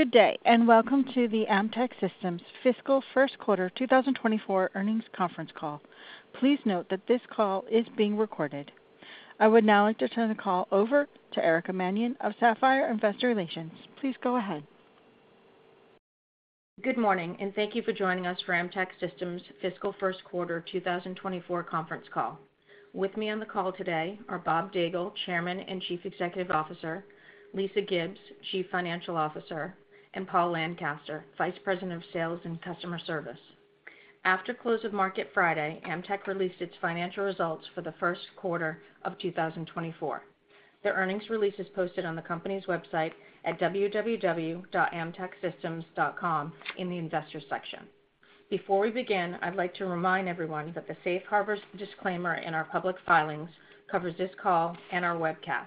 Good day, and welcome to the Amtech Systems Fiscal First Quarter 2024 Earnings Conference Call. Please note that this call is being recorded. I would now like to turn the call over to Erica Mannion of Sapphire Investor Relations. Please go ahead. Good morning, and thank you for joining us for Amtech Systems Fiscal First Quarter 2024 conference call. With me on the call today are Bob Daigle, Chairman and Chief Executive Officer, Lisa Gibbs, Chief Financial Officer, and Paul Lancaster, Vice President of Sales and Customer Service. After close of market Friday, Amtech released its financial results for the first quarter of 2024. The earnings release is posted on the company's website at www.amtechsystems.com in the Investors section. Before we begin, I'd like to remind everyone that the safe harbor disclaimer in our public filings covers this call and our webcast.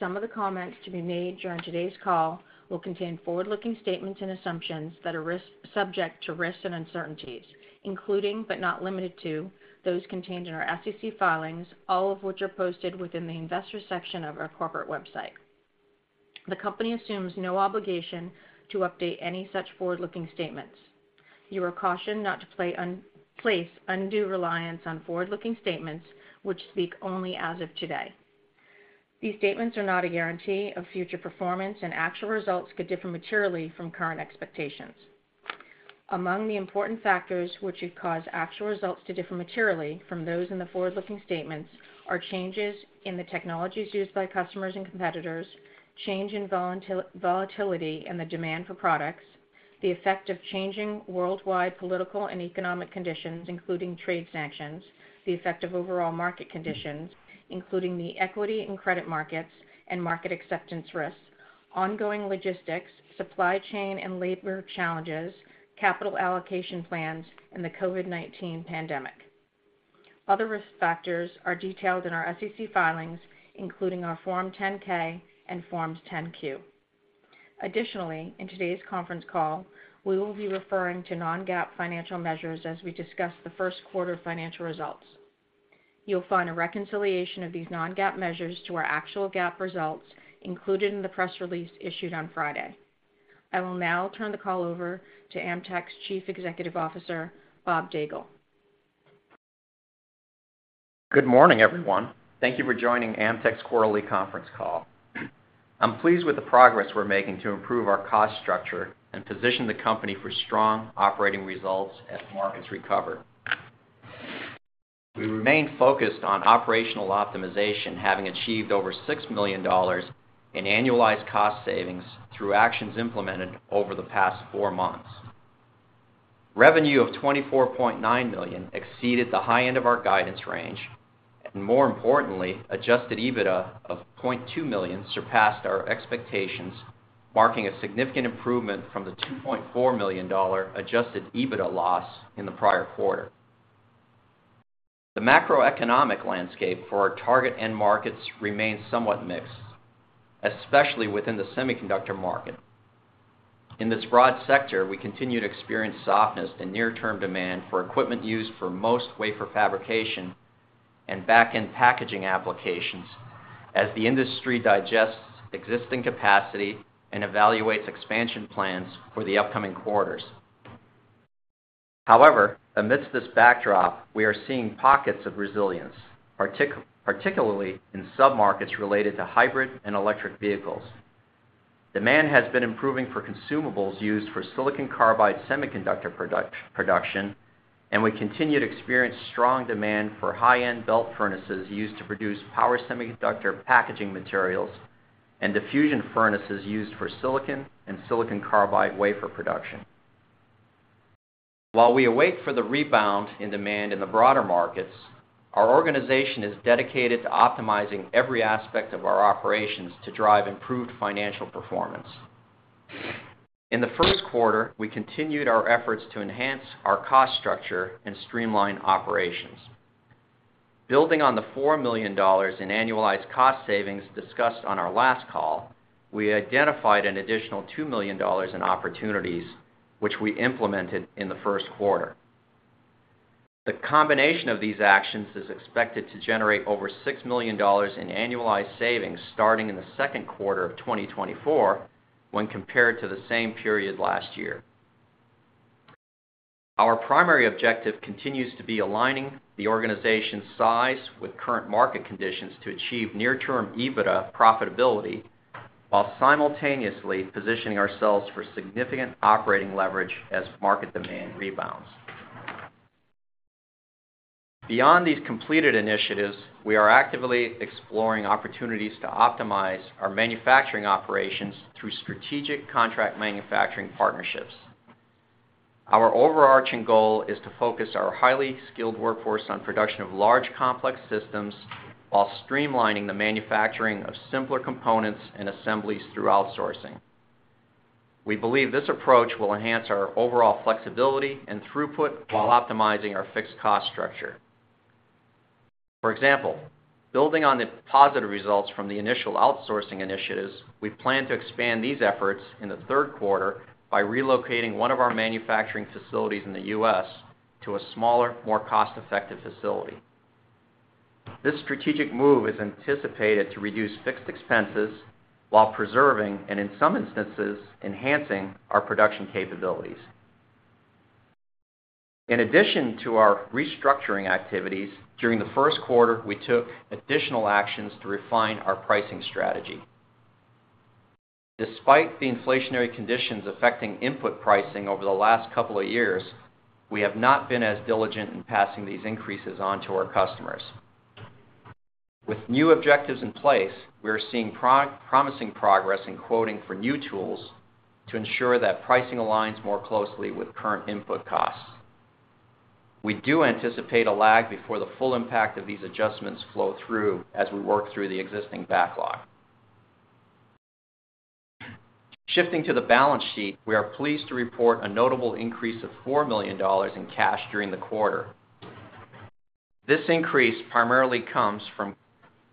Some of the comments to be made during today's call will contain forward-looking statements and assumptions that are subject to risks and uncertainties, including, but not limited to, those contained in our SEC filings, all of which are posted within the Investors section of our corporate website. The company assumes no obligation to update any such forward-looking statements. You are cautioned not to place undue reliance on forward-looking statements, which speak only as of today. These statements are not a guarantee of future performance, and actual results could differ materially from current expectations. Among the important factors which could cause actual results to differ materially from those in the forward-looking statements are changes in the technologies used by customers and competitors, change in volatility and the demand for products, the effect of changing worldwide political and economic conditions, including trade sanctions, the effect of overall market conditions, including the equity and credit markets and market acceptance risks, ongoing logistics, supply chain and labor challenges, capital allocation plans, and the COVID-19 pandemic. Other risk factors are detailed in our SEC filings, including our Form 10-K and Forms 10-Q. Additionally, in today's conference call, we will be referring to non-GAAP financial measures as we discuss the first quarter financial results. You'll find a reconciliation of these non-GAAP measures to our actual GAAP results included in the press release issued on Friday. I will now turn the call over to Amtech's Chief Executive Officer, Bob Daigle. Good morning, everyone. Thank you for joining Amtech's quarterly conference call. I'm pleased with the progress we're making to improve our cost structure and position the company for strong operating results as markets recover. We remain focused on operational optimization, having achieved over $6 million in annualized cost savings through actions implemented over the past four months. Revenue of $24.9 million exceeded the high end of our guidance range, and more importantly, adjusted EBITDA of $0.2 million surpassed our expectations, marking a significant improvement from the $2.4 million adjusted EBITDA loss in the prior quarter. The macroeconomic landscape for our target end markets remains somewhat mixed, especially within the semiconductor market. In this broad sector, we continue to experience softness in near-term demand for equipment used for most wafer fabrication and back-end packaging applications as the industry digests existing capacity and evaluates expansion plans for the upcoming quarters. However, amidst this backdrop, we are seeing pockets of resilience, particularly in submarkets related to hybrid and electric vehicles. Demand has been improving for consumables used for silicon carbide semiconductor production, and we continue to experience strong demand for high-end belt furnaces used to produce power semiconductor packaging materials and diffusion furnaces used for silicon and silicon carbide wafer production. While we await for the rebound in demand in the broader markets, our organization is dedicated to optimizing every aspect of our operations to drive improved financial performance. In the first quarter, we continued our efforts to enhance our cost structure and streamline operations. Building on the $4 million in annualized cost savings discussed on our last call, we identified an additional $2 million in opportunities, which we implemented in the first quarter. The combination of these actions is expected to generate over $6 million in annualized savings starting in the second quarter of 2024, when compared to the same period last year. Our primary objective continues to be aligning the organization's size with current market conditions to achieve near-term EBITDA profitability, while simultaneously positioning ourselves for significant operating leverage as market demand rebounds. Beyond these completed initiatives, we are actively exploring opportunities to optimize our manufacturing operations through strategic contract manufacturing partnerships. Our overarching goal is to focus our highly skilled workforce on production of large, complex systems while streamlining the manufacturing of simpler components and assemblies through outsourcing. We believe this approach will enhance our overall flexibility and throughput while optimizing our fixed cost structure. For example, building on the positive results from the initial outsourcing initiatives, we plan to expand these efforts in the third quarter by relocating one of our manufacturing facilities in the U.S. to a smaller, more cost-effective facility. This strategic move is anticipated to reduce fixed expenses while preserving, and in some instances, enhancing our production capabilities. In addition to our restructuring activities, during the first quarter, we took additional actions to refine our pricing strategy. Despite the inflationary conditions affecting input pricing over the last couple of years, we have not been as diligent in passing these increases on to our customers. With new objectives in place, we are seeing promising progress in quoting for new tools to ensure that pricing aligns more closely with current input costs. We do anticipate a lag before the full impact of these adjustments flow through as we work through the existing backlog. Shifting to the balance sheet, we are pleased to report a notable increase of $4 million in cash during the quarter. This increase primarily comes from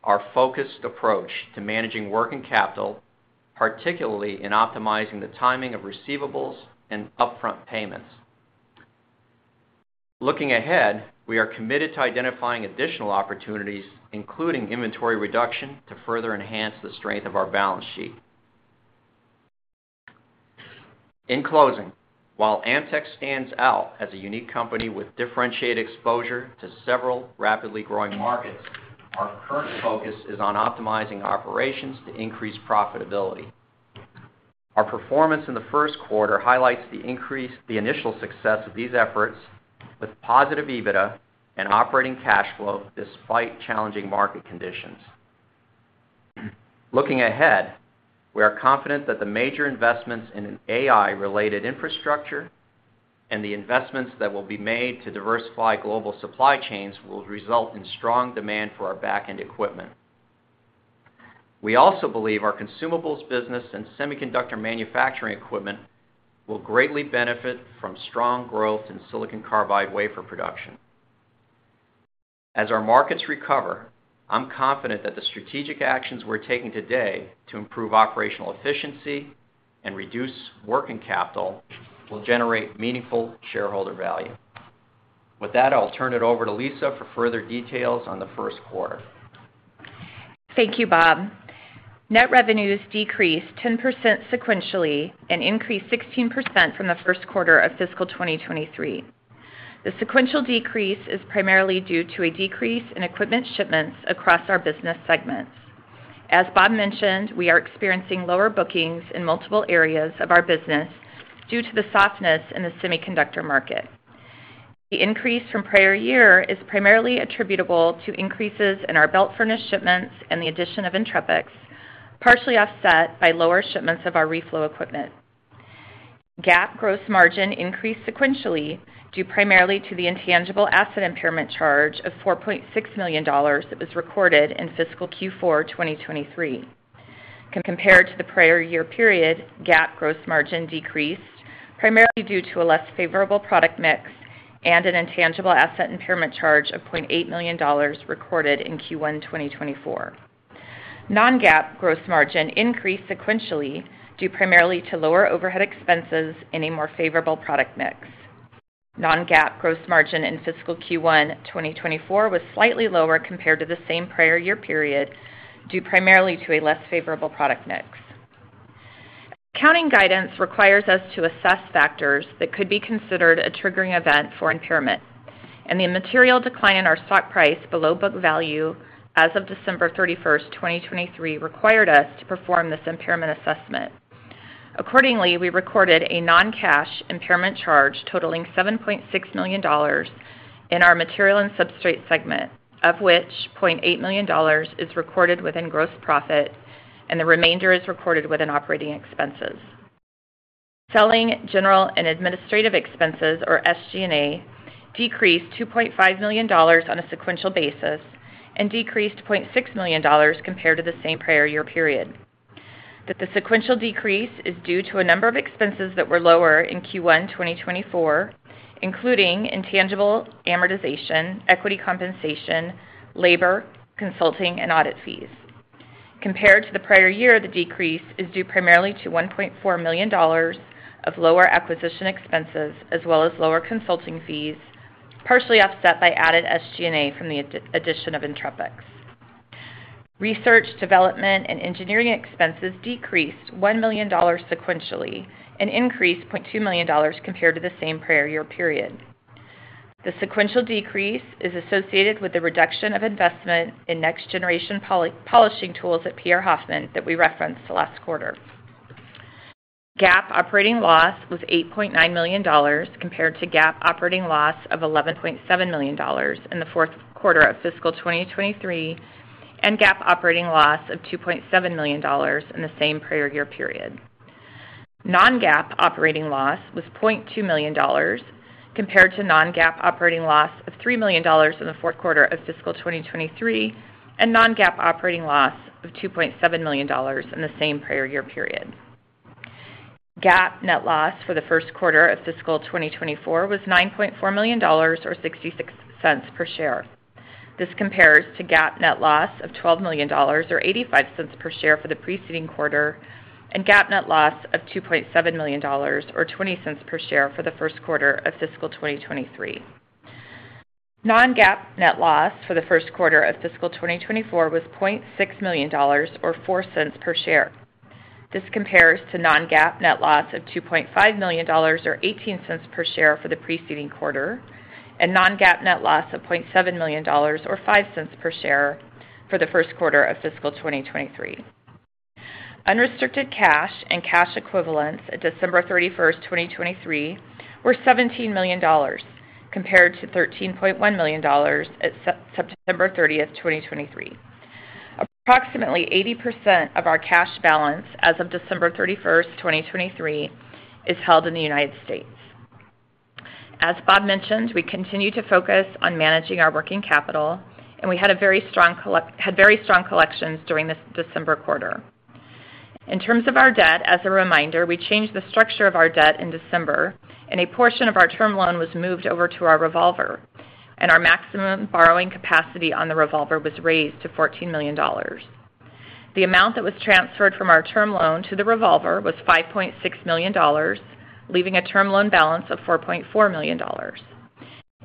our focused approach to managing working capital, particularly in optimizing the timing of receivables and upfront payments. Looking ahead, we are committed to identifying additional opportunities, including inventory reduction, to further enhance the strength of our balance sheet. In closing, while Amtech stands out as a unique company with differentiated exposure to several rapidly growing markets, our current focus is on optimizing operations to increase profitability. Our performance in the first quarter highlights the initial success of these efforts with positive EBITDA and operating cash flow, despite challenging market conditions. Looking ahead, we are confident that the major investments in an AI-related infrastructure and the investments that will be made to diversify global supply chains will result in strong demand for our back-end equipment. We also believe our consumables business and semiconductor manufacturing equipment will greatly benefit from strong growth in Silicon carbide wafer production. As our markets recover, I'm confident that the strategic actions we're taking today to improve operational efficiency and reduce working capital will generate meaningful shareholder value. With that, I'll turn it over to Lisa for further details on the first quarter. Thank you, Bob. Net revenues decreased 10% sequentially and increased 16% from the first quarter of fiscal 2023. The sequential decrease is primarily due to a decrease in equipment shipments across our business segments. As Bob mentioned, we are experiencing lower bookings in multiple areas of our business due to the softness in the semiconductor market. The increase from prior year is primarily attributable to increases in our belt furnace shipments and the addition of Entrepix, partially offset by lower shipments of our reflow equipment. GAAP gross margin increased sequentially, due primarily to the intangible asset impairment charge of $4.6 million that was recorded in fiscal Q4 2023. Compared to the prior year period, GAAP gross margin decreased, primarily due to a less favorable product mix and an intangible asset impairment charge of $0.8 million recorded in Q1 2024. Non-GAAP gross margin increased sequentially, due primarily to lower overhead expenses and a more favorable product mix. Non-GAAP gross margin in fiscal Q1 2024 was slightly lower compared to the same prior year period, due primarily to a less favorable product mix. Accounting guidance requires us to assess factors that could be considered a triggering event for impairment, and the material decline in our stock price below book value as of December 31, 2023, required us to perform this impairment assessment. Accordingly, we recorded a non-cash impairment charge totaling $7.6 million in our material and substrate segment, of which $0.8 million is recorded within gross profit, and the remainder is recorded within operating expenses. Selling, general, and administrative expenses, or SG&A, decreased $2.5 million on a sequential basis and decreased $0.6 million compared to the same prior year period. The sequential decrease is due to a number of expenses that were lower in Q1 2024, including intangible amortization, equity compensation, labor, consulting, and audit fees. Compared to the prior year, the decrease is due primarily to $1.4 million of lower acquisition expenses, as well as lower consulting fees, partially offset by added SG&A from the addition of Entrepix. Research, development, and engineering expenses decreased $1 million sequentially and increased $0.2 million compared to the same prior year period. The sequential decrease is associated with the reduction of investment in next-generation polishing tools at PR Hoffman that we referenced last quarter. GAAP operating loss was $8.9 million, compared to GAAP operating loss of $11.7 million in the fourth quarter of fiscal 2023, and GAAP operating loss of $2.7 million in the same prior year period. Non-GAAP operating loss was $0.2 million, compared to non-GAAP operating loss of $3 million in the fourth quarter of fiscal 2023, and non-GAAP operating loss of $2.7 million in the same prior year period. GAAP net loss for the first quarter of fiscal 2024 was $9.4 million, or $0.66 per share. This compares to GAAP net loss of $12 million, or $0.85 per share for the preceding quarter, and GAAP net loss of $2.7 million, or $0.20 per share for the first quarter of fiscal 2023. Non-GAAP net loss for the first quarter of fiscal 2024 was $0.6 million or $0.04 per share. This compares to non-GAAP net loss of $2.5 million or $0.18 per share for the preceding quarter, and non-GAAP net loss of $0.7 million or $0.05 per share for the first quarter of fiscal 2023. Unrestricted cash and cash equivalents at December 31, 2023, were $17 million, compared to $13.1 million at September 30, 2023. Approximately 80% of our cash balance as of December 31, 2023, is held in the United States. As Bob mentioned, we continue to focus on managing our working capital, and we had very strong collections during this December quarter. In terms of our debt, as a reminder, we changed the structure of our debt in December, and a portion of our term loan was moved over to our revolver, and our maximum borrowing capacity on the revolver was raised to $14 million. The amount that was transferred from our term loan to the revolver was $5.6 million, leaving a term loan balance of $4.4 million.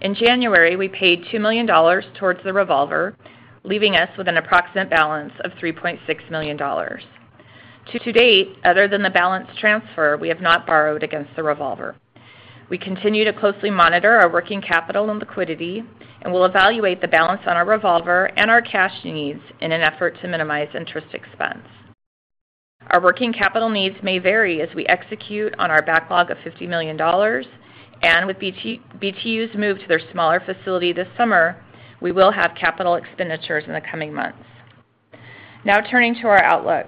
In January, we paid $2 million towards the revolver, leaving us with an approximate balance of $3.6 million. To date, other than the balance transfer, we have not borrowed against the revolver. We continue to closely monitor our working capital and liquidity and will evaluate the balance on our revolver and our cash needs in an effort to minimize interest expense. Our working capital needs may vary as we execute on our backlog of $50 million, and with BT, BTU's move to their smaller facility this summer, we will have capital expenditures in the coming months. Now turning to our outlook.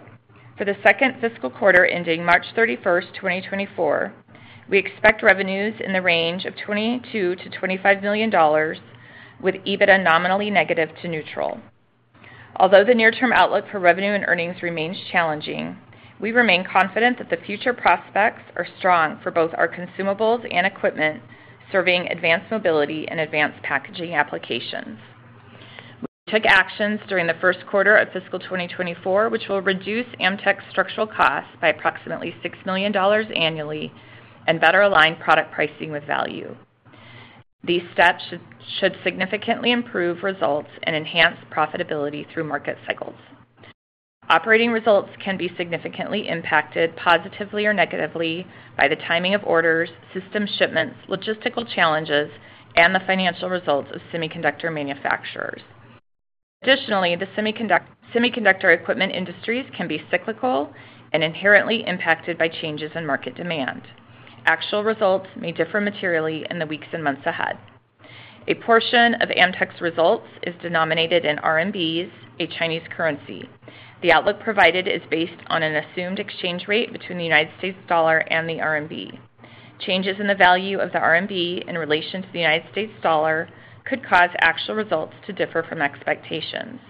For the second fiscal quarter, ending March 31, 2024, we expect revenues in the range of $22 million-$25 million, with EBITDA nominally negative to neutral. Although the near-term outlook for revenue and earnings remains challenging, we remain confident that the future prospects are strong for both our consumables and equipment, serving advanced mobility and advanced packaging applications. We took actions during the first quarter of fiscal 2024, which will reduce Amtech's structural costs by approximately $6 million annually and better align product pricing with value. These steps should significantly improve results and enhance profitability through market cycles. Operating results can be significantly impacted, positively or negatively, by the timing of orders, system shipments, logistical challenges, and the financial results of semiconductor manufacturers. Additionally, the semiconductor equipment industries can be cyclical and inherently impacted by changes in market demand. Actual results may differ materially in the weeks and months ahead. A portion of Amtech's results is denominated in RMBs, a Chinese currency. The outlook provided is based on an assumed exchange rate between the United States dollar and the RMB. Changes in the value of the RMB in relation to the United States dollar could cause actual results to differ from expectations.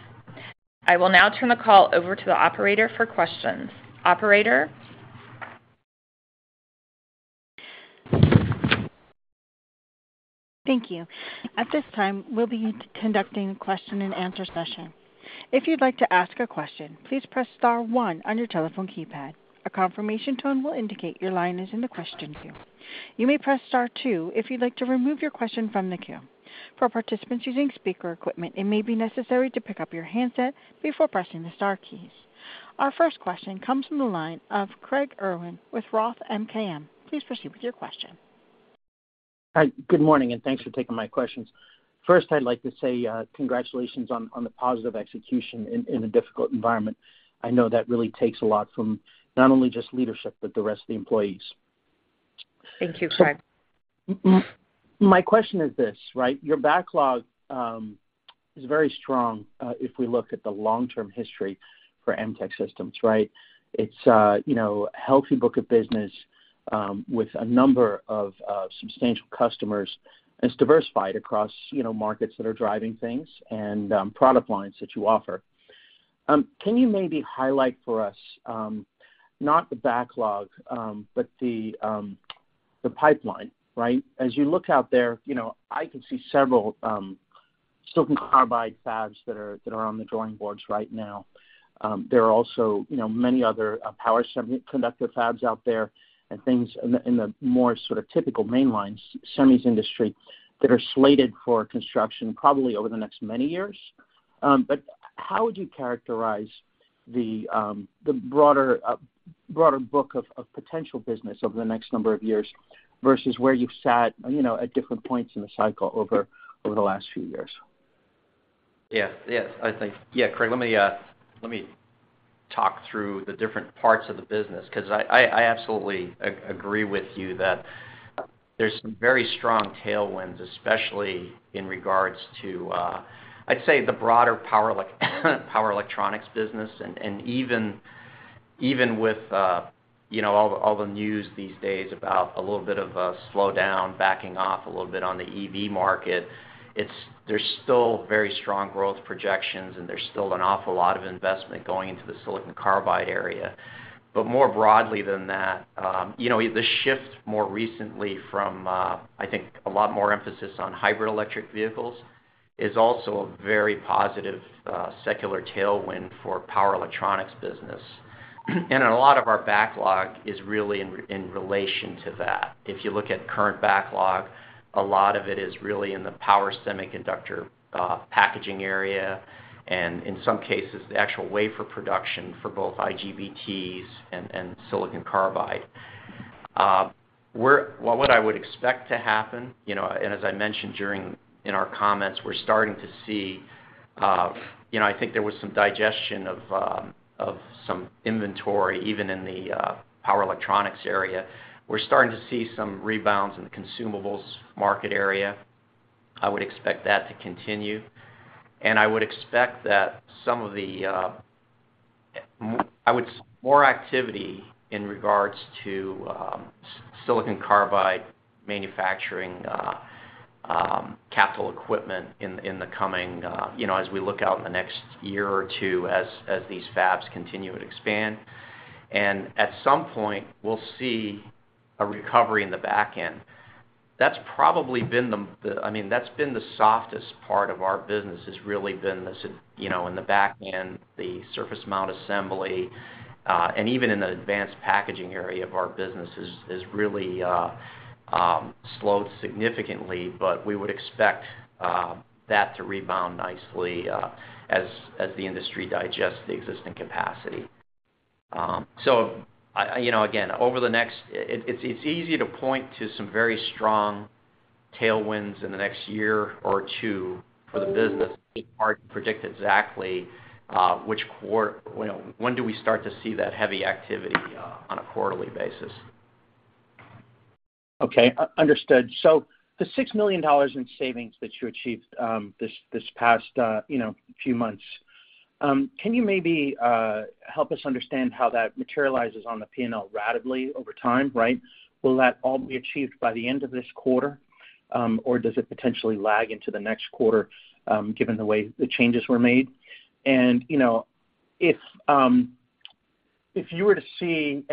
I will now turn the call over to the operator for questions. Operator? Thank you. At this time, we'll be conducting a question and answer session. If you'd like to ask a question, please press star one on your telephone keypad. A confirmation tone will indicate your line is in the question queue. You may press star two if you'd like to remove your question from the queue. For participants using speaker equipment, it may be necessary to pick up your handset before pressing the star keys. Our first question comes from the line of Craig Irwin with Roth MKM. Please proceed with your question. Hi, good morning, and thanks for taking my questions. First, I'd like to say congratulations on the positive execution in a difficult environment. I know that really takes a lot from not only just leadership, but the rest of the employees. Thank you, Craig. My question is this, right? Your backlog is very strong, if we look at the long-term history for Amtech Systems, right? It's a, you know, healthy book of business, with a number of substantial customers. It's diversified across, you know, markets that are driving things and product lines that you offer. Can you maybe highlight for us, not the backlog, but the pipeline, right? As you look out there, you know, I can see several silicon carbide fabs that are on the drawing boards right now. There are also, you know, many other power semiconductor fabs out there and things in the more sort of typical mainline semis industry that are slated for construction probably over the next many years. But how would you characterize the broader book of potential business over the next number of years versus where you've sat, you know, at different points in the cycle over the last few years? Yeah. Yeah. I think... Yeah, Craig, let me let me talk through the different parts of the business, 'cause I absolutely agree with you that there's some very strong tailwinds, especially in regards to, I'd say, the broader power, like, power electronics business. And even with, you know, all the news these days about a little bit of a slowdown, backing off a little bit on the EV market, it's, there's still very strong growth projections, and there's still an awful lot of investment going into the silicon carbide area. But more broadly than that, you know, the shift more recently from, I think, a lot more emphasis on hybrid electric vehicles... is also a very positive, secular tailwind for power electronics business. And a lot of our backlog is really in relation to that. If you look at current backlog, a lot of it is really in the power semiconductor packaging area, and in some cases, the actual wafer production for both IGBTs and silicon carbide. Well, what I would expect to happen, you know, and as I mentioned during in our comments, we're starting to see, you know, I think there was some digestion of some inventory, even in the power electronics area. We're starting to see some rebounds in the consumables market area. I would expect that to continue, and I would expect that some of the more activity in regards to silicon carbide manufacturing capital equipment in the coming, you know, as we look out in the next year or two as these fabs continue to expand. And at some point, we'll see a recovery in the back end. That's probably been the, I mean, that's been the softest part of our business, has really been the you know, in the back end, the surface mount assembly, and even in the advanced packaging area of our business is really slowed significantly. But we would expect that to rebound nicely, as the industry digests the existing capacity. So I you know, again, over the next... It's easy to point to some very strong tailwinds in the next year or two for the business, hard to predict exactly which quarter, you know, when do we start to see that heavy activity on a quarterly basis? Okay, understood. So the $6 million in savings that you achieved, this past, you know, few months, can you maybe help us understand how that materializes on the P&L ratably over time, right? Will that all be achieved by the end of this quarter, or does it potentially lag into the next quarter, given the way the changes were made? And, you know, if you were to see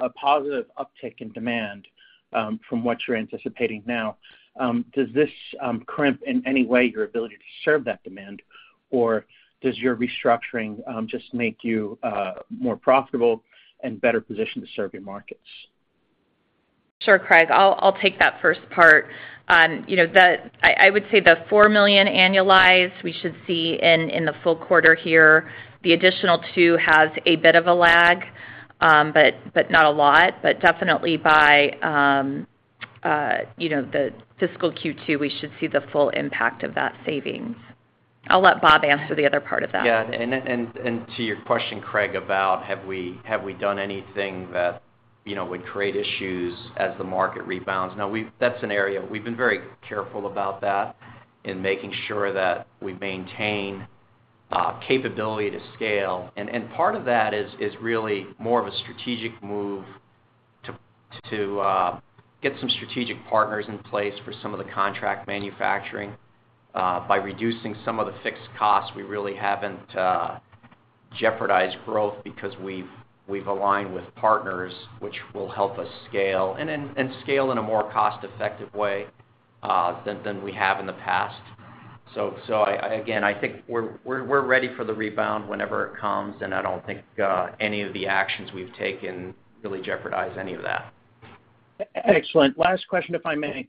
a positive uptick in demand, from what you're anticipating now, does this crimp in any way your ability to serve that demand, or does your restructuring just make you more profitable and better positioned to serve your markets? Sure, Craig. I'll take that first part. You know, I would say the $4 million annualized, we should see in the full quarter here. The additional $2 million has a bit of a lag, but not a lot. But definitely by, you know, the fiscal Q2, we should see the full impact of that savings. I'll let Bob answer the other part of that. Yeah, and then to your question, Craig, about have we done anything that, you know, would create issues as the market rebounds? No, we've, that's an area we've been very careful about that in making sure that we maintain capability to scale. And part of that is really more of a strategic move to get some strategic partners in place for some of the contract manufacturing. By reducing some of the fixed costs, we really haven't jeopardized growth because we've aligned with partners, which will help us scale, and scale in a more cost-effective way than we have in the past. So, I again think we're ready for the rebound whenever it comes, and I don't think any of the actions we've taken really jeopardize any of that. Excellent. Last question, if I may.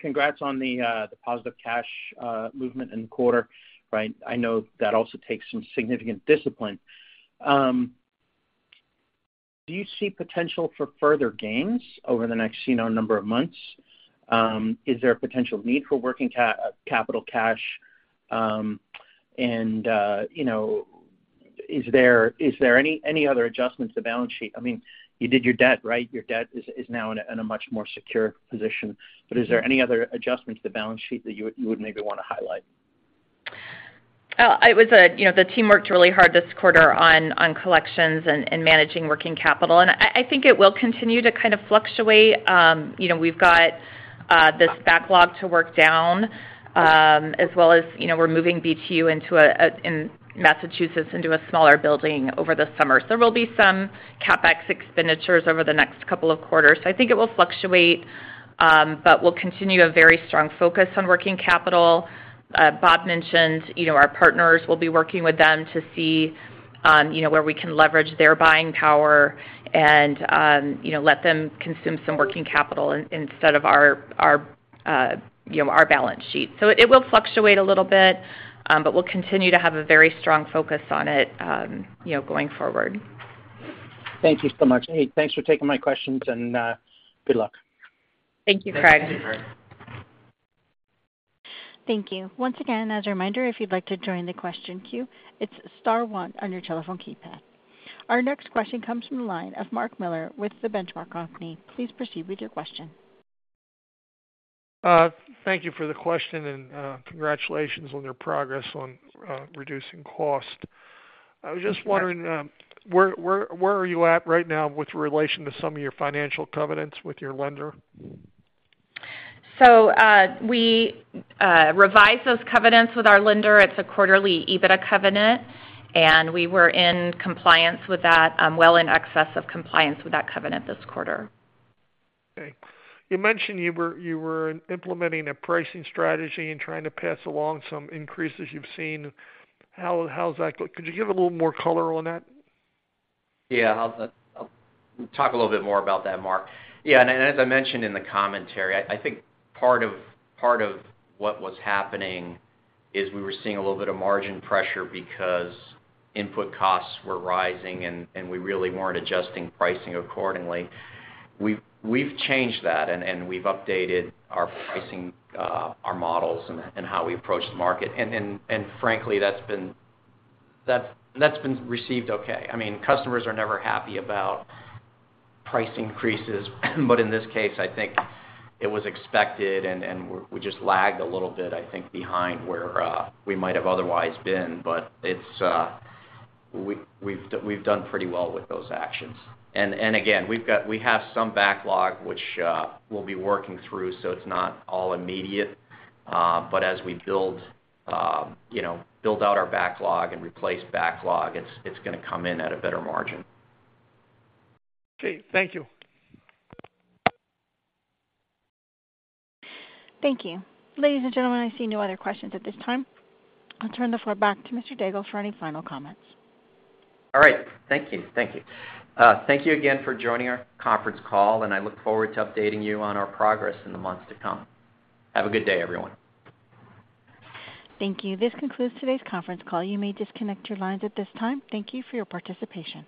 Congrats on the positive cash movement in the quarter. Right, I know that also takes some significant discipline. Do you see potential for further gains over the next, you know, number of months? Is there a potential need for working capital cash? And, you know, is there any other adjustments to the balance sheet? I mean, you did your debt, right? Your debt is now in a much more secure position. But is there any other adjustment to the balance sheet that you would maybe wanna highlight? It was, you know, the team worked really hard this quarter on collections and managing working capital, and I think it will continue to kind of fluctuate. You know, we've got this backlog to work down, as well as, you know, we're moving BTU into a smaller building in Massachusetts over the summer. So there will be some CapEx expenditures over the next couple of quarters. So I think it will fluctuate, but we'll continue a very strong focus on working capital. Bob mentioned, you know, our partners will be working with them to see, you know, where we can leverage their buying power and, you know, let them consume some working capital instead of our, you know, our balance sheet. So it will fluctuate a little bit, but we'll continue to have a very strong focus on it, you know, going forward. Thank you so much. Hey, thanks for taking my questions, and good luck. Thank you, Craig. Thank you, Craig. Thank you. Once again, as a reminder, if you'd like to join the question queue, it's star one on your telephone keypad. Our next question comes from the line of Mark Miller with the Benchmark Company. Please proceed with your question. Thank you for the question, and congratulations on your progress on reducing cost. I was just wondering where you are at right now with relation to some of your financial covenants with your lender? So, we revised those covenants with our lender. It's a quarterly EBITDA covenant, and we were in compliance with that, well in excess of compliance with that covenant this quarter. Okay. You mentioned you were implementing a pricing strategy and trying to pass along some increases you've seen. How's that going? Could you give a little more color on that? Yeah, I'll talk a little bit more about that, Mark. Yeah, and as I mentioned in the commentary, I think part of what was happening is we were seeing a little bit of margin pressure because input costs were rising, and we really weren't adjusting pricing accordingly. We've changed that, and we've updated our pricing, our models and how we approach the market. And frankly, that's been received okay. I mean, customers are never happy about price increases, but in this case, I think it was expected, and we're just lagged a little bit, I think, behind where we might have otherwise been. But it's we've done pretty well with those actions. And again, we've got—we have some backlog, which we'll be working through, so it's not all immediate. But as we build, you know, build out our backlog and replace backlog, it's gonna come in at a better margin. Okay, thank you. Thank you. Ladies and gentlemen, I see no other questions at this time. I'll turn the floor back to Mr. Daigle for any final comments. All right. Thank you. Thank you. Thank you again for joining our conference call, and I look forward to updating you on our progress in the months to come. Have a good day, everyone. Thank you. This concludes today's conference call. You may disconnect your lines at this time. Thank you for your participation.